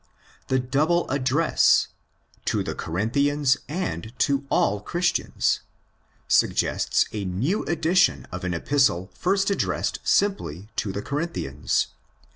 The double address—to the Corinthians and to all Christians—suggests a new edition of an Epistle first addressed simply to the Corinthians.